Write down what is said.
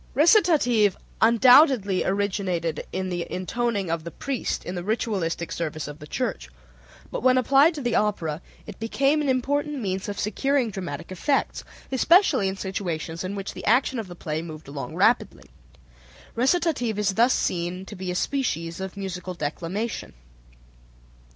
Recitative undoubtedly originated in the intoning of the priest in the ritualistic service of the Church, but when applied to the opera it became an important means of securing dramatic effects, especially in situations in which the action of the play moved along rapidly. Recitative is thus seen to be a species of musical declamation.